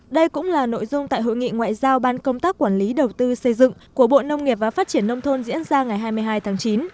đây cũng là nội dung tại hội nghị ngoại giao ban công tác quản lý đầu tư xây dựng của bộ nông nghiệp và phát triển nông thôn diễn ra ngày hai mươi hai tháng chín